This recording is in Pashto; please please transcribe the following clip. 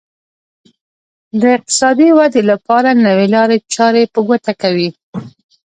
د اقتصادي ودې لپاره نوې لارې چارې په ګوته کوي.